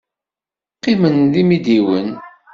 Qqimen d imidiwen.